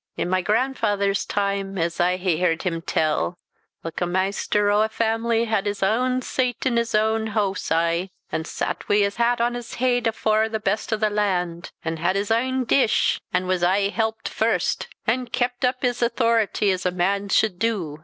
I' my grandfather's time, as I hae heard him tell, ilka maister o' a faamily had his ain sate in his ain hoose aye, an' sat wi' his hat on his heed afore the best o' the land, an' had his ain dish, an' was aye helpit first, an' keepit up his owthority as a man sude du.